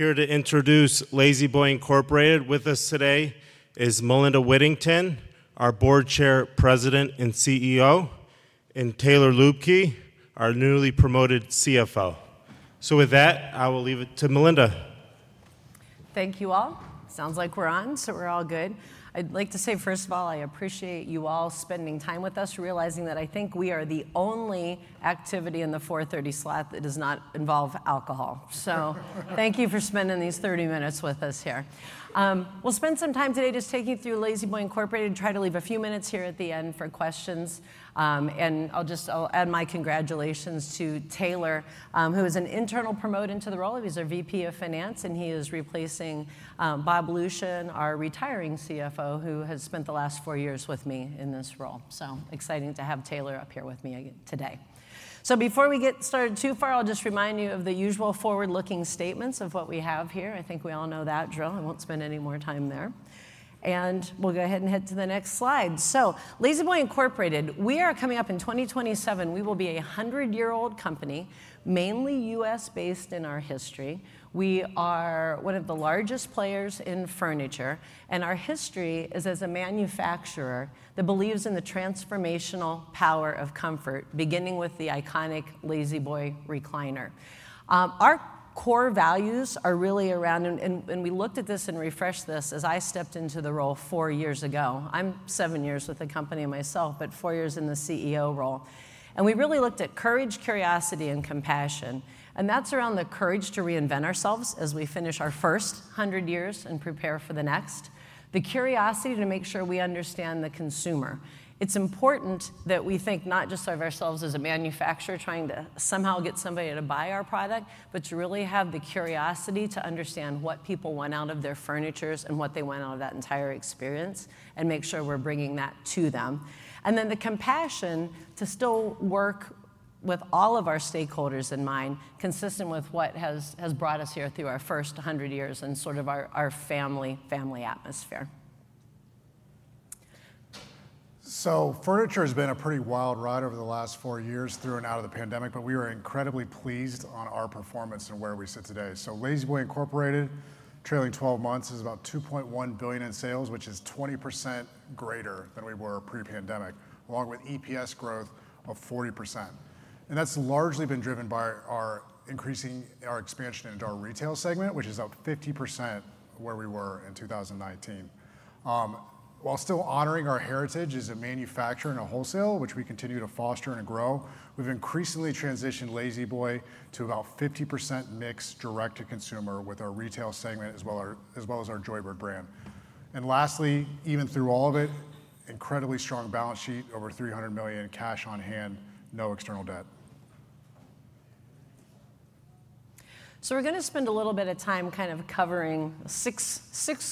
Here to introduce La-Z-Boy Incorporated with us today is Melinda Whittington, our Board Chair, President, and CEO, and Taylor Luebke, our newly promoted CFO. So with that, I will leave it to Melinda. Thank you all. Sounds like we're on, so we're all good. I'd like to say, first of all, I appreciate you all spending time with us, realizing that I think we are the only activity in the 4:30 slot that does not involve alcohol. So thank you for spending these 30 minutes with us here. We'll spend some time today just taking you through La-Z-Boy Incorporated. Try to leave a few minutes here at the end for questions. I'll just add my congratulations to Taylor, who is an internal promoted into the role. He's our VP of Finance, and he is replacing Bob Lucian, our retiring CFO, who has spent the last four years with me in this role. So exciting to have Taylor up here with me today. Before we get started too far, I'll just remind you of the usual forward-looking statements of what we have here. I think we all know that, Joe. I won't spend any more time there. We'll go ahead and head to the next slide. La-Z-Boy Incorporated, we are coming up in 2027. We will be a 100-year-old company, mainly U.S.-based in our history. We are one of the largest players in furniture. Our history is as a manufacturer that believes in the transformational power of comfort, beginning with the iconic La-Z-Boy recliner. Our core values are really around, and we looked at this and refreshed this as I stepped into the role four years ago. I'm seven years with the company myself, but four years in the CEO role. We really looked at courage, curiosity, and compassion. And that's around the courage to reinvent ourselves as we finish our first 100 years and prepare for the next, the curiosity to make sure we understand the consumer. It's important that we think not just of ourselves as a manufacturer trying to somehow get somebody to buy our product, but to really have the curiosity to understand what people want out of their furniture and what they want out of that entire experience and make sure we're bringing that to them. And then the compassion to still work with all of our stakeholders in mind, consistent with what has brought us here through our first 100 years and sort of our family atmosphere. Furniture has been a pretty wild ride over the last four years through and out of the pandemic, but we were incredibly pleased on our performance and where we sit today. La-Z-Boy Incorporated, trailing 12 months, is about $2.1 billion in sales, which is 20% greater than we were pre-pandemic, along with EPS growth of 40%. And that's largely been driven by our increasing expansion into our retail segment, which is up 50% where we were in 2019. While still honoring our heritage as a manufacturer and a wholesaler, which we continue to foster and grow, we've increasingly transitioned La-Z-Boy to about 50% mix direct to consumer with our retail segment as well as our Joybird brand. And lastly, even through all of it, incredibly strong balance sheet, over $300 million cash on hand, no external debt. So we're going to spend a little bit of time kind of covering six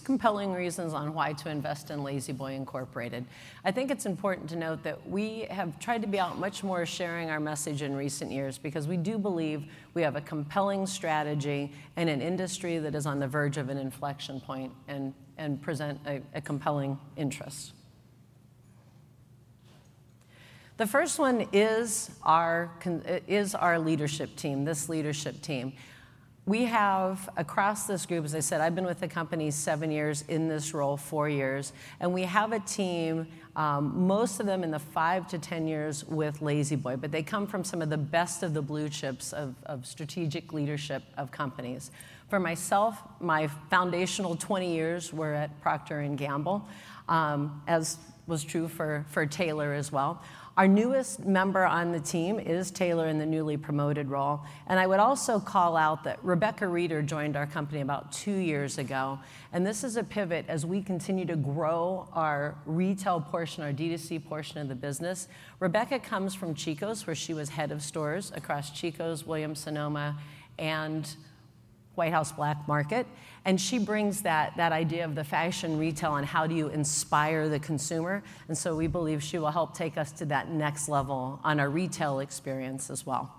compelling reasons on why to invest in La-Z-Boy Incorporated. I think it's important to note that we have tried to be out much more sharing our message in recent years because we do believe we have a compelling strategy and an industry that is on the verge of an inflection point and present a compelling interest. The first one is our leadership team, this leadership team. We have, across this group, as I said, I've been with the company seven years, in this role four years. And we have a team, most of them in the five to 10 years with La-Z-Boy, but they come from some of the best of the blue chips of strategic leadership of companies. For myself, my foundational 20 years, we're at Procter & Gamble, as was true for Taylor as well. Our newest member on the team is Taylor in the newly promoted role. I would also call out that Rebecca Reeder joined our company about two years ago. This is a pivot as we continue to grow our retail portion, our D2C portion of the business. Rebecca comes from Chico's, where she was head of stores across Chico's, Williams-Sonoma, and White House Black Market. She brings that idea of the fashion retail and how do you inspire the consumer. We believe she will help take us to that next level on our retail experience as well.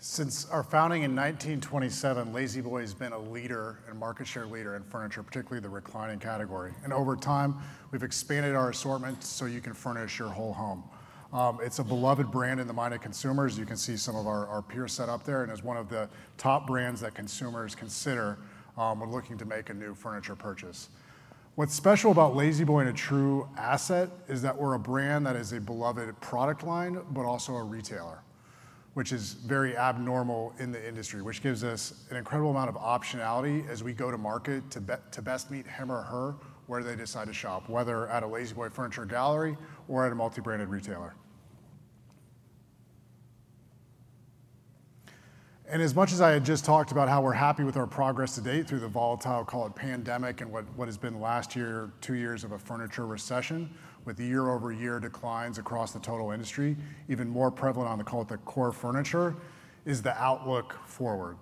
Since our founding in 1927, La-Z-Boy has been a leader and market share leader in furniture, particularly the reclining category, and over time, we've expanded our assortment so you can furnish your whole home. It's a beloved brand in the mind of consumers. You can see some of our peers set up there, and is one of the top brands that consumers consider when looking to make a new furniture purchase. What's special about La-Z-Boy and a true asset is that we're a brand that is a beloved product line, but also a retailer, which is very abnormal in the industry, which gives us an incredible amount of optionality as we go to market to best meet him or her where they decide to shop, whether at a La-Z-Boy Furniture Gallery or at a multi-branded retailer. As much as I had just talked about how we're happy with our progress to date through the volatile, call it pandemic, and what has been last year, two years of a furniture recession with year-over-year declines across the total industry, even more prevalent on the call it the core furniture, is the outlook forward.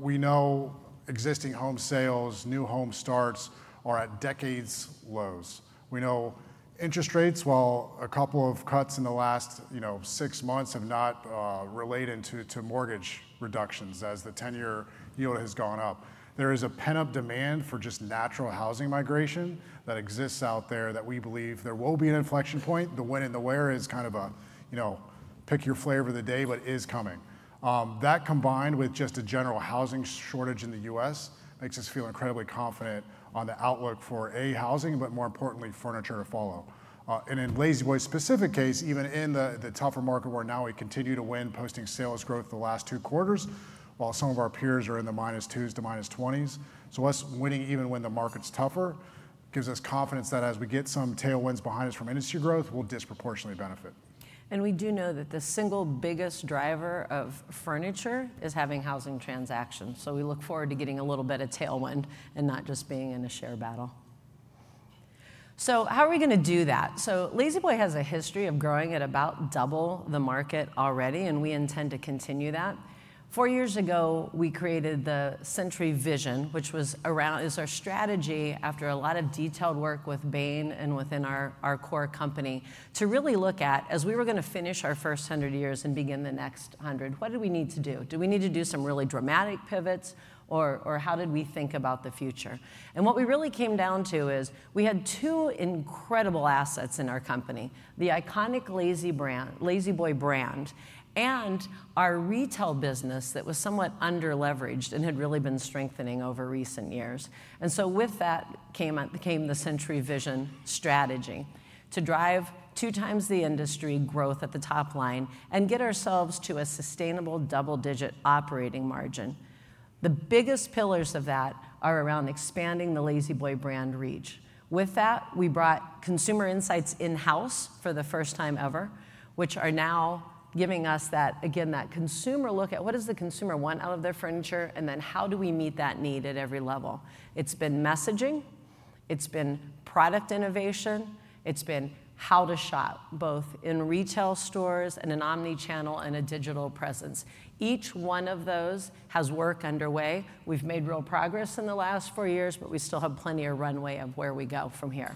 We know existing home sales, new home starts are at decade lows. We know interest rates, while a couple of cuts in the last six months have not translated to mortgage reductions as the 10-year yield has gone up. There is a pent-up demand for just natural housing migration that exists out there that we believe there will be an inflection point. The when and the where is kind of a pick your flavor of the day, but it is coming. That combined with just a general housing shortage in the U.S. makes us feel incredibly confident on the outlook for a housing, but more importantly, furniture to follow. And in La-Z-Boy's specific case, even in the tougher market we're in now, we continue to win posting sales growth the last two quarters, while some of our peers are in the -2% to -20%. So us winning even when the market's tougher gives us confidence that as we get some tailwinds behind us from industry growth, we'll disproportionately benefit. And we do know that the single biggest driver of furniture is having housing transactions. So we look forward to getting a little bit of tailwind and not just being in a share battle. So how are we going to do that? So La-Z-Boy has a history of growing at about double the market already, and we intend to continue that. Four years ago, we created the Century Vision, which was around, is our strategy after a lot of detailed work with Bain and within our core company to really look at, as we were going to finish our first 100 years and begin the next 100, what do we need to do? Do we need to do some really dramatic pivots, or how did we think about the future? And what we really came down to is we had two incredible assets in our company, the iconic La-Z-Boy brand and our retail business that was somewhat underleveraged and had really been strengthening over recent years. And so with that came the Century Vision strategy to drive two times the industry growth at the top line and get ourselves to a sustainable double-digit operating margin. The biggest pillars of that are around expanding the La-Z-Boy brand reach. With that, we brought consumer insights in-house for the first time ever, which are now giving us that, again, that consumer look at what does the consumer want out of their furniture, and then how do we meet that need at every level? It's been messaging. It's been product innovation. It's been how to shop both in retail stores and an omnichannel and a digital presence. Each one of those has work underway. We've made real progress in the last four years, but we still have plenty of runway of where we go from here.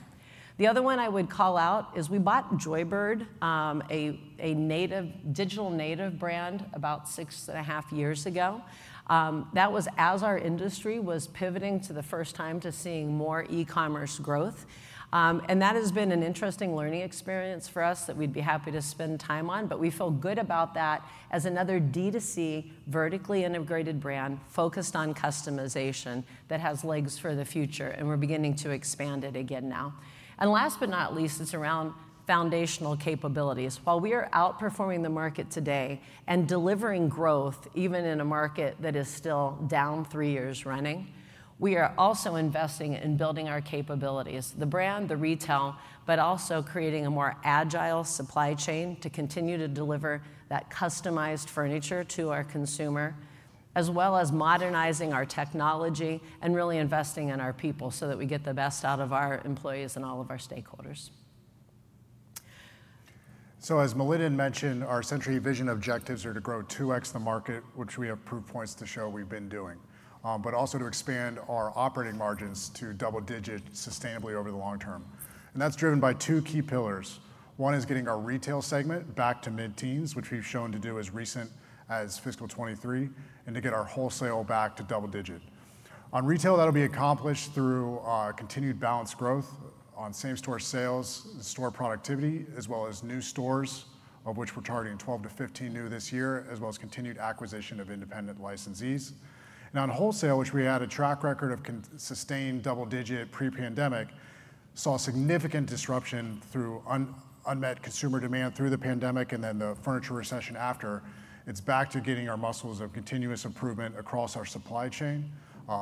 The other one I would call out is we bought Joybird, a digital native brand about six and a half years ago. That was as our industry was pivoting to the first time to seeing more e-commerce growth, and that has been an interesting learning experience for us that we'd be happy to spend time on, but we feel good about that as another D2C vertically integrated brand focused on customization that has legs for the future, and we're beginning to expand it again now, and last but not least, it's around foundational capabilities. While we are outperforming the market today and delivering growth, even in a market that is still down three years running, we are also investing in building our capabilities, the brand, the retail, but also creating a more agile supply chain to continue to deliver that customized furniture to our consumer, as well as modernizing our technology and really investing in our people so that we get the best out of our employees and all of our stakeholders. So as Melinda mentioned, our Century Vision objectives are to grow 2x the market, which we have proof points to show we've been doing, but also to expand our operating margins to double-digit sustainably over the long term. And that's driven by two key pillars. One is getting our retail segment back to mid-teens, which we've shown to do as recently as fiscal 2023, and to get our wholesale back to double-digit. On retail, that'll be accomplished through continued balanced growth on same-store sales, store productivity, as well as new stores, of which we're targeting 12-15 new this year, as well as continued acquisition of independent licensees. Now, in wholesale, which we had a track record of sustained double-digit pre-pandemic, saw significant disruption through unmet consumer demand through the pandemic and then the furniture recession after. It's back to getting our muscles of continuous improvement across our supply chain,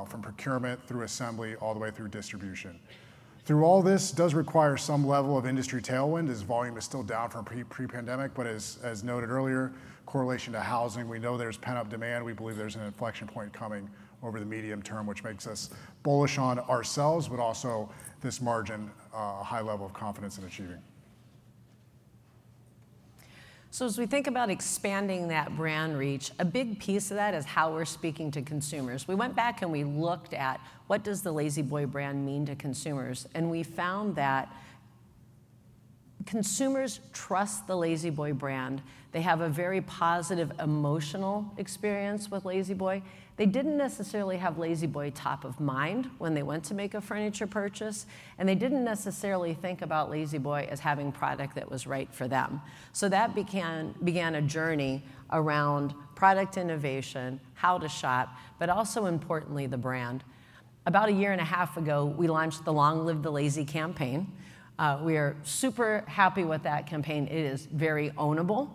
from procurement through assembly, all the way through distribution. Through all this, it does require some level of industry tailwind as volume is still down from pre-pandemic, but as noted earlier, correlation to housing, we know there's pent-up demand. We believe there's an inflection point coming over the medium term, which makes us bullish on ourselves, but also this margin, a high level of confidence in achieving. So as we think about expanding that brand reach, a big piece of that is how we're speaking to consumers. We went back and we looked at what does the La-Z-Boy brand mean to consumers. And we found that consumers trust the La-Z-Boy brand. They have a very positive emotional experience with La-Z-Boy. They didn't necessarily have La-Z-Boy top of mind when they went to make a furniture purchase, and they didn't necessarily think about La-Z-Boy as having product that was right for them. So that began a journey around product innovation, how to shop, but also importantly, the brand. About a year and a half ago, we launched the Long Live the Lazy campaign. We are super happy with that campaign. It is very ownable.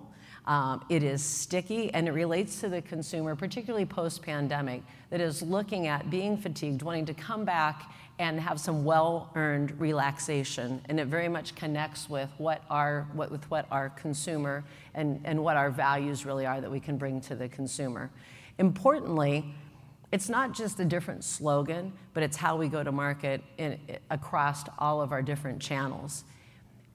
It is sticky, and it relates to the consumer, particularly post-pandemic, that is looking at being fatigued, wanting to come back and have some well-earned relaxation. And it very much connects with what our consumer and what our values really are that we can bring to the consumer. Importantly, it's not just a different slogan, but it's how we go to market across all of our different channels.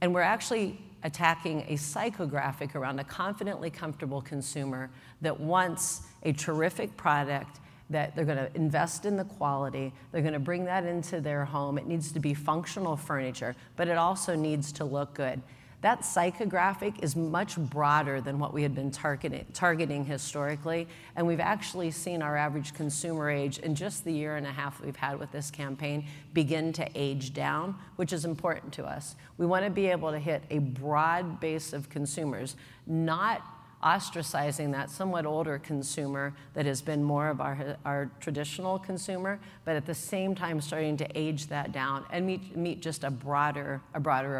And we're actually attacking a psychographic around a confidently comfortable consumer that wants a terrific product that they're going to invest in the quality. They're going to bring that into their home. It needs to be functional furniture, but it also needs to look good. That psychographic is much broader than what we had been targeting historically. And we've actually seen our average consumer age in just the year and a half we've had with this campaign begin to age down, which is important to us. We want to be able to hit a broad base of consumers, not ostracizing that somewhat older consumer that has been more of our traditional consumer, but at the same time starting to age that down and meet just a broader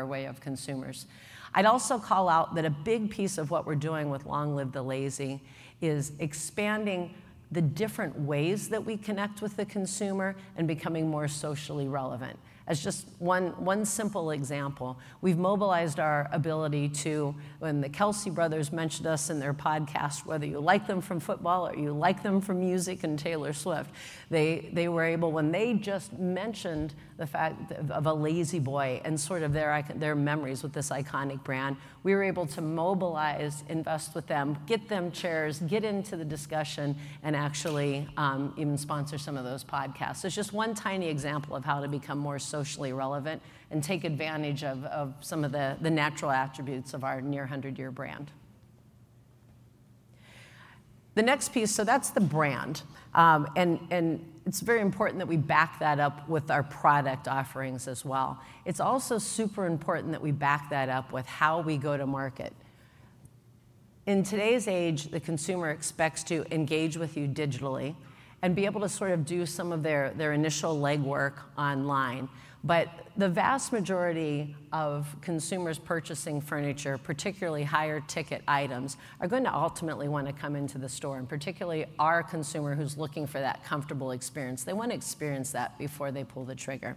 way of consumers. I'd also call out that a big piece of what we're doing with Long Live the Lazy is expanding the different ways that we connect with the consumer and becoming more socially relevant. As just one simple example, we've mobilized our ability to, when the Kelce brothers mentioned us in their podcast, whether you like them from football or you like them from music and Taylor Swift, they were able, when they just mentioned the fact of a La-Z-Boy and sort of their memories with this iconic brand, we were able to mobilize, invest with them, get them chairs, get into the discussion, and actually even sponsor some of those podcasts. It's just one tiny example of how to become more socially relevant and take advantage of some of the natural attributes of our near 100-year brand. The next piece, so that's the brand, and it's very important that we back that up with our product offerings as well. It's also super important that we back that up with how we go to market. In today's age, the consumer expects to engage with you digitally and be able to sort of do some of their initial legwork online. But the vast majority of consumers purchasing furniture, particularly higher ticket items, are going to ultimately want to come into the store, and particularly our consumer who's looking for that comfortable experience. They want to experience that before they pull the trigger.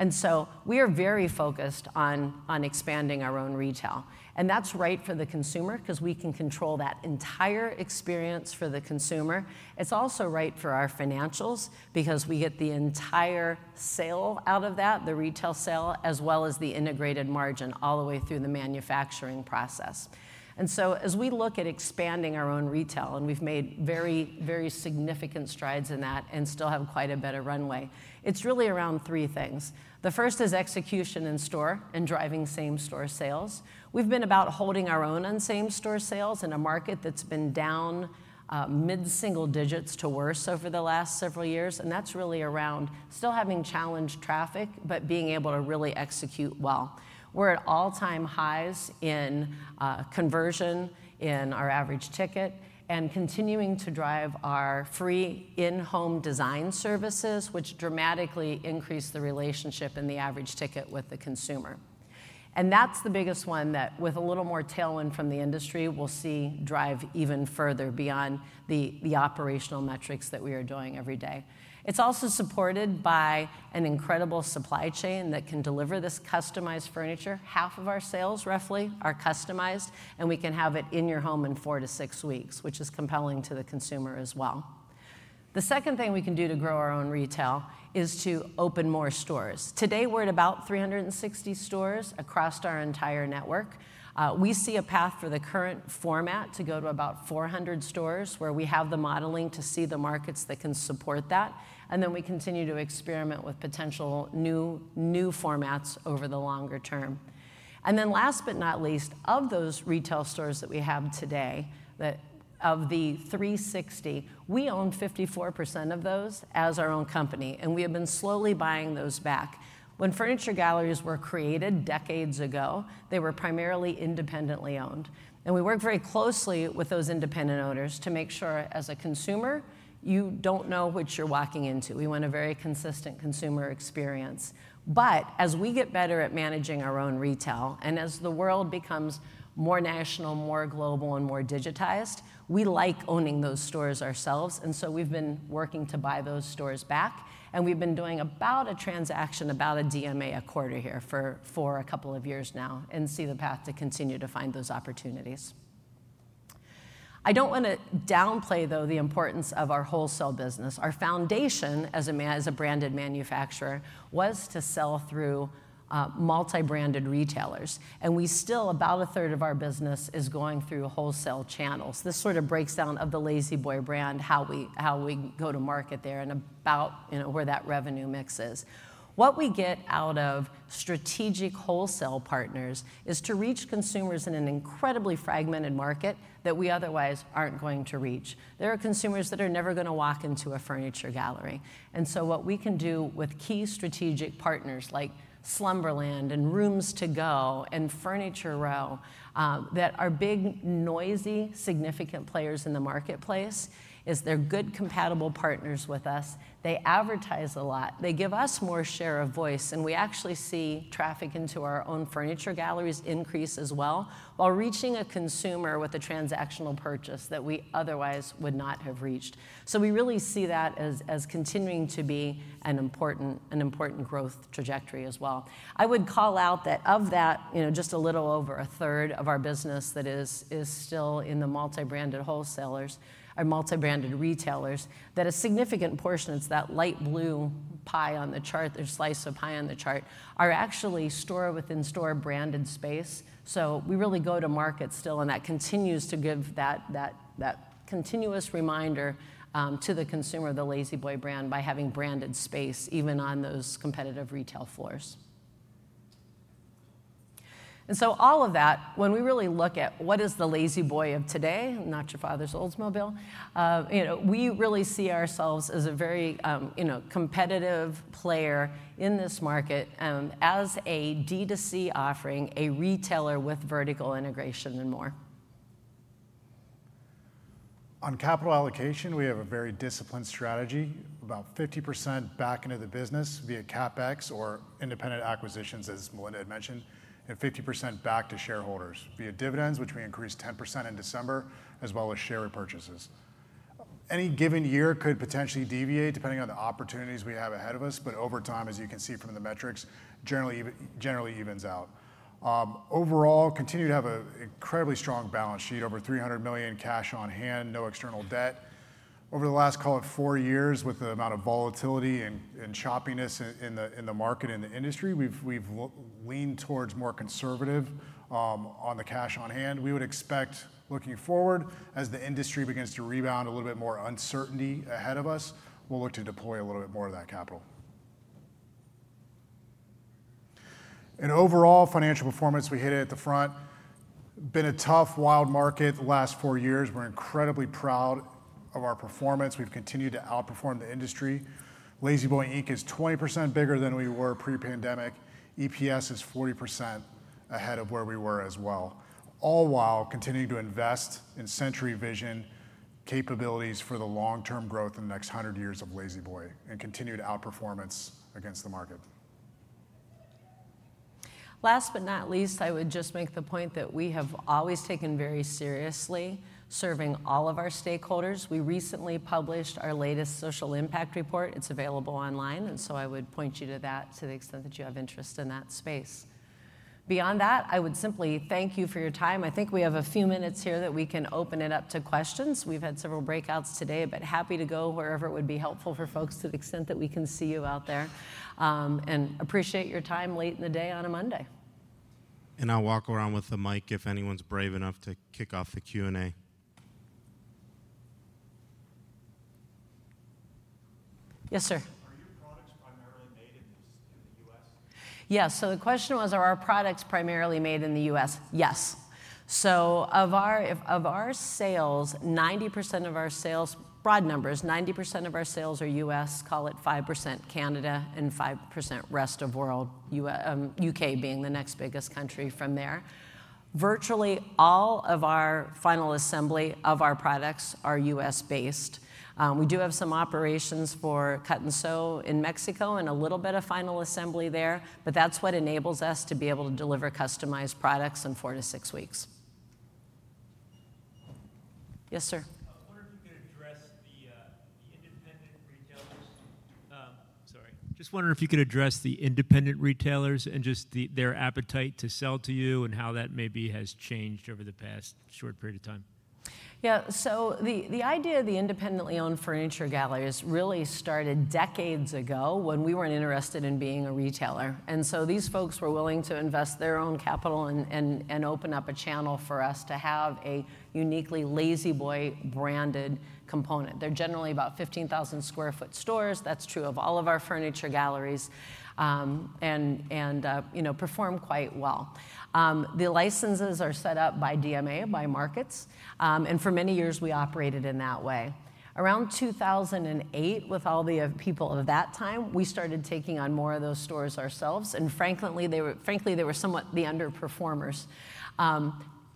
And so we are very focused on expanding our own retail. And that's right for the consumer because we can control that entire experience for the consumer. It's also right for our financials because we get the entire sale out of that, the retail sale, as well as the integrated margin all the way through the manufacturing process. And so as we look at expanding our own retail, and we've made very, very significant strides in that and still have quite a better runway, it's really around three things. The first is execution in store and driving same-store sales. We've been about holding our own on same-store sales in a market that's been down mid-single digits to worse over the last several years. And that's really around still having challenged traffic, but being able to really execute well. We're at all-time highs in conversion in our average ticket and continuing to drive our free in-home design services, which dramatically increase the relationship in the average ticket with the consumer. And that's the biggest one that, with a little more tailwind from the industry, we'll see drive even further beyond the operational metrics that we are doing every day. It's also supported by an incredible supply chain that can deliver this customized furniture. Half of our sales, roughly, are customized, and we can have it in your home in four to six weeks, which is compelling to the consumer as well. The second thing we can do to grow our own retail is to open more stores. Today, we're at about 360 stores across our entire network. We see a path for the current format to go to about 400 stores where we have the modeling to see the markets that can support that. And then we continue to experiment with potential new formats over the longer term. And then last but not least, of those retail stores that we have today, of the 360, we own 54% of those as our own company, and we have been slowly buying those back. When Furniture Galleries were created decades ago, they were primarily independently owned, and we work very closely with those independent owners to make sure as a consumer, you don't know what you're walking into. We want a very consistent consumer experience, but as we get better at managing our own retail and as the world becomes more national, more global, and more digitized, we like owning those stores ourselves, and so we've been working to buy those stores back, and we've been doing about a transaction, about a DMA a quarter here for a couple of years now and see the path to continue to find those opportunities. I don't want to downplay, though, the importance of our wholesale business. Our foundation as a branded manufacturer was to sell through multi-branded retailers, and we still, about a third of our business is going through wholesale channels. This sort of breakdown of the La-Z-Boy brand, how we go to market there and about where that revenue mix is. What we get out of strategic wholesale partners is to reach consumers in an incredibly fragmented market that we otherwise aren't going to reach. There are consumers that are never going to walk into a Furniture Gallery. And so what we can do with key strategic partners like Slumberland and Rooms To Go and Furniture Row that are big, noisy, significant players in the marketplace is they're good, compatible partners with us. They advertise a lot. They give us more share of voice, and we actually see traffic into our own Furniture Galleries increase as well while reaching a consumer with a transactional purchase that we otherwise would not have reached. So we really see that as continuing to be an important growth trajectory as well. I would call out that of that, just a little over a 1/3 of our business that is still in the multi-branded wholesalers or multi-branded retailers, that a significant portion of that light blue pie on the chart, or slice of pie on the chart, are actually store within store branded space. So we really go to market still, and that continues to give that continuous reminder to the consumer of the La-Z-Boy brand by having branded space even on those competitive retail floors, and so all of that, when we really look at what is the La-Z-Boy of today, not your father's Oldsmobile, we really see ourselves as a very competitive player in this market as a D2C offering, a retailer with vertical integration and more. On capital allocation, we have a very disciplined strategy, about 50% back into the business via CapEx or independent acquisitions, as Melinda had mentioned, and 50% back to shareholders via dividends, which we increased 10% in December, as well as share repurchases. Any given year could potentially deviate depending on the opportunities we have ahead of us, but over time, as you can see from the metrics, generally evens out. Overall, continue to have an incredibly strong balance sheet, over $300 million cash on hand, no external debt. Over the last, call it, four years, with the amount of volatility and choppiness in the market and the industry, we've leaned towards more conservative on the cash on hand. We would expect, looking forward, as the industry begins to rebound a little bit more uncertainty ahead of us, we'll look to deploy a little bit more of that capital. Overall financial performance, we hit it at the front. Been a tough, wild market the last four years. We're incredibly proud of our performance. We've continued to outperform the industry. La-Z-Boy Inc is 20% bigger than we were pre-pandemic. EPS is 40% ahead of where we were as well. All while continuing to invest in Century Vision capabilities for the long-term growth in the next 100 years of La-Z-Boy and continued outperformance against the market. Last but not least, I would just make the point that we have always taken very seriously serving all of our stakeholders. We recently published our latest social impact report. It's available online. And so I would point you to that to the extent that you have interest in that space. Beyond that, I would simply thank you for your time. I think we have a few minutes here that we can open it up to questions. We've had several breakouts today, but happy to go wherever it would be helpful for folks to the extent that we can see you out there, and appreciate your time late in the day on a Monday. I'll walk around with the mic if anyone's brave enough to kick off the Q&A. Yes, sir. Are your products primarily made in the U.S.? Yes. So the question was, are our products primarily made in the U.S.? Yes. So of our sales, 90% of our sales, broad numbers, 90% of our sales are U.S., call it 5% Canada, and 5% rest of world, U.K. being the next biggest country from there. Virtually all of our final assembly of our products are U.S.-based. We do have some operations for cut and sew in Mexico and a little bit of final assembly there, but that's what enables us to be able to deliver customized products in four to six weeks. Yes, sir. I wonder if you could address the independent retailers. Sorry. Just wondering if you could address the independent retailers and just their appetite to sell to you and how that maybe has changed over the past short period of time? Yeah, so the idea of the independently owned Furniture Galleries really started decades ago when we weren't interested in being a retailer. And so these folks were willing to invest their own capital and open up a channel for us to have a uniquely La-Z-Boy branded component. They're generally about 15,000 sq ft stores. That's true of all of our Furniture Galleries and perform quite well. The licenses are set up by DMA, by markets. And for many years, we operated in that way. Around 2008, with all the people of that time, we started taking on more of those stores ourselves. And frankly, they were somewhat the underperformers.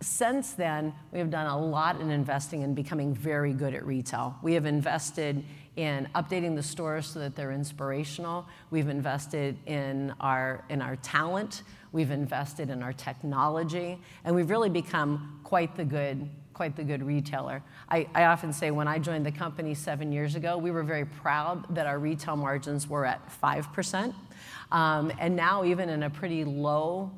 Since then, we have done a lot in investing and becoming very good at retail. We have invested in updating the stores so that they're inspirational. We've invested in our talent. We've invested in our technology. And we've really become quite the good retailer. I often say when I joined the company seven years ago, we were very proud that our retail margins were at 5%. And now, even in a pretty low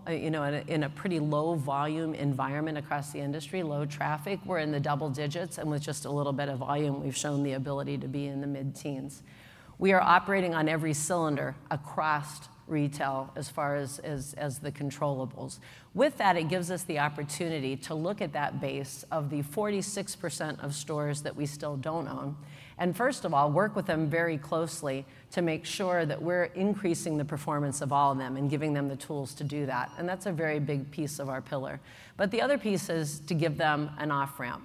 volume environment across the industry, low traffic, we're in the double digits. And with just a little bit of volume, we've shown the ability to be in the mid-teens. We are operating on every cylinder across retail as far as the controllable. With that, it gives us the opportunity to look at that base of the 46% of stores that we still don't own and, first of all, work with them very closely to make sure that we're increasing the performance of all of them and giving them the tools to do that. And that's a very big piece of our pillar. The other piece is to give them an off-ramp.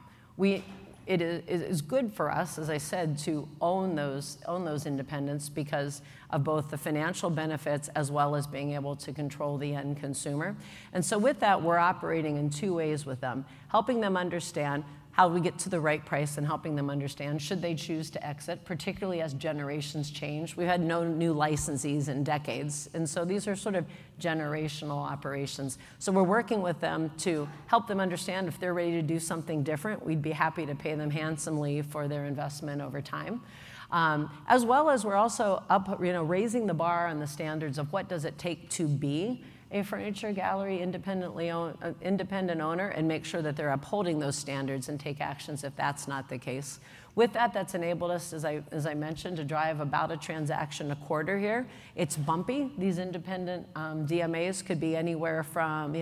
It is good for us, as I said, to own those independents because of both the financial benefits as well as being able to control the end consumer. With that, we're operating in two ways with them, helping them understand how we get to the right price and helping them understand should they choose to exit, particularly as generations change. We've had no new licensees in decades. These are sort of generational operations. We're working with them to help them understand if they're ready to do something different; we'd be happy to pay them handsomely for their investment over time. As well as we're also raising the bar on the standards of what does it take to be a furniture gallery independent owner and make sure that they're upholding those standards and take actions if that's not the case. With that, that's enabled us, as I mentioned, to drive about a transaction a quarter here. It's bumpy. These independent DMAs could be anywhere from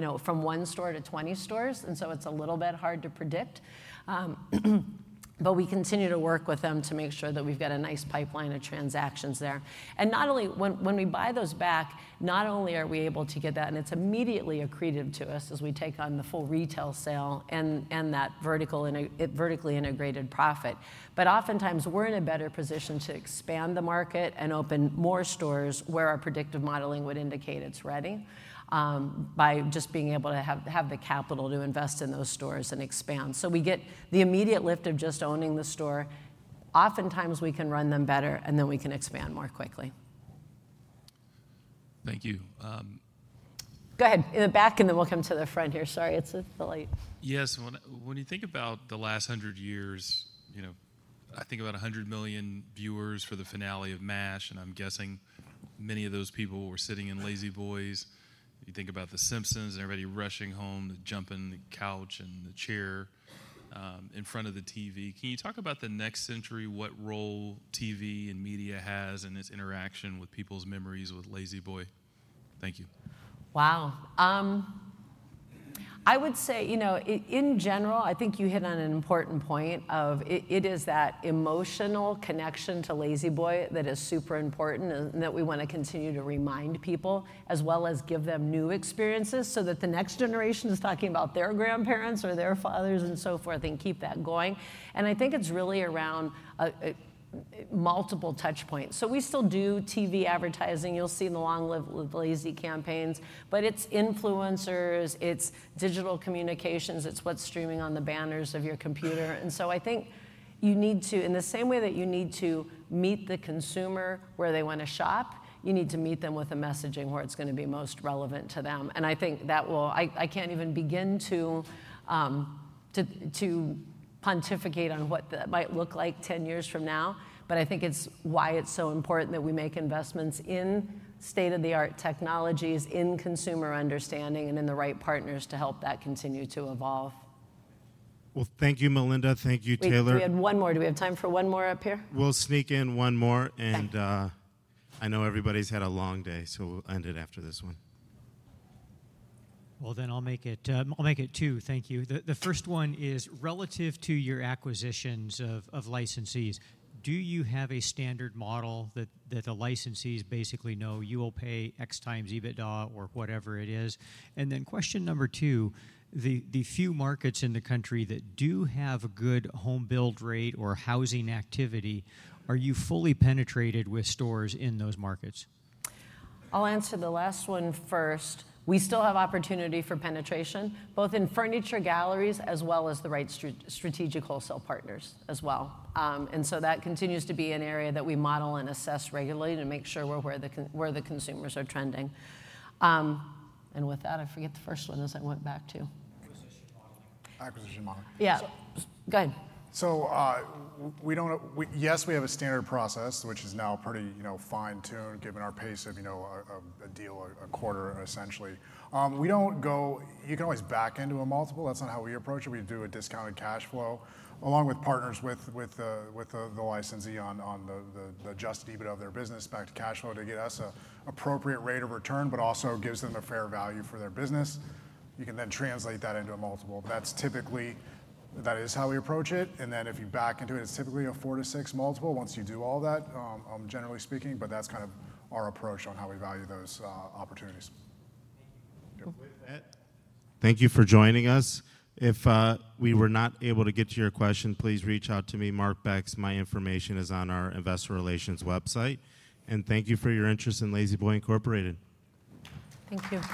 one store to 20 stores. And so it's a little bit hard to predict. But we continue to work with them to make sure that we've got a nice pipeline of transactions there. And not only when we buy those back, not only are we able to get that, and it's immediately accretive to us as we take on the full retail sale and that vertically integrated profit. But oftentimes, we're in a better position to expand the market and open more stores where our predictive modeling would indicate it's ready by just being able to have the capital to invest in those stores and expand. So we get the immediate lift of just owning the store. Oftentimes, we can run them better, and then we can expand more quickly. Thank you. Go ahead in the back, and then we'll come to the front here. Sorry, it's a delay. Yes. When you think about the last 100 years, I think about 100 million viewers for the finale of M*A*S*H, and I'm guessing many of those people were sitting in La-Z-Boys. You think about The Simpsons and everybody rushing home, jumping the couch and the chair in front of the TV. Can you talk about the next century, what role TV and media has in its interaction with people's memories with La-Z-Boy? Thank you. Wow. I would say, in general, I think you hit on an important point of it is that emotional connection to La-Z-Boy that is super important and that we want to continue to remind people as well as give them new experiences so that the next generation is talking about their grandparents or their fathers and so forth and keep that going. And I think it's really around multiple touch points. So we still do TV advertising. You'll see the Long Live the Lazy campaigns, but it's influencers, it's digital communications, it's what's streaming on the banners of your computer. And so I think you need to, in the same way that you need to meet the consumer where they want to shop, you need to meet them with the messaging where it's going to be most relevant to them. I think that will. I can't even begin to pontificate on what that might look like 10 years from now, but I think it's why it's so important that we make investments in state-of-the-art technologies, in consumer understanding, and in the right partners to help that continue to evolve. Thank you, Melinda. Thank you, Taylor. Thank you. And one more. Do we have time for one more up here? We'll sneak in one more. And I know everybody's had a long day, so we'll end it after this one. Well, then I'll make it two. Thank you. The first one is relative to your acquisitions of licensees. Do you have a standard model that the licensees basically know you will pay X times EBITDA or whatever it is? And then question number two, the few markets in the country that do have a good home build rate or housing activity, are you fully penetrated with stores in those markets? I'll answer the last one first. We still have opportunity for penetration, both in Furniture Galleries as well as the right strategic wholesale partners as well. And so that continues to be an area that we model and assess regularly to make sure we're where the consumers are trending. And with that, I forget the first one as I went back to. Acquisition modeling. Acquisition modeling. Yeah. Go ahead. So yes, we have a standard process, which is now pretty fine-tuned given our pace of a deal a quarter, essentially. We don't go, you can always back into a multiple. That's not how we approach it. We do a discounted cash flow along with partners with the licensee on the just EBITDA of their business back to cash flow to get us an appropriate rate of return, but also gives them a fair value for their business. You can then translate that into a multiple. That's typically, that is how we approach it. And then if you back into it, it's typically a four to six multiple once you do all that, generally speaking, but that's kind of our approach on how we value those opportunities. Thank you. With that. Thank you for joining us. If we were not able to get to your question, please reach out to me, Mark Becks. My information is on our investor relations website, and thank you for your interest in La-Z-Boy Incorporated. Thank you.